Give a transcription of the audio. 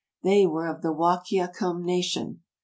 They were of the Wahkiacum nation.